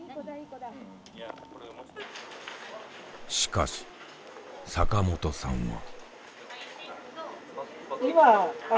しかし坂本さんは。